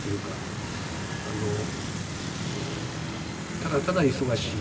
ただただ忙しい。